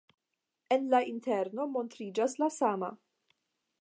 En la interno montriĝas la sama.